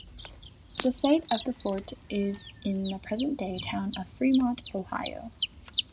The site of the fort is in the present-day town of Fremont, Ohio.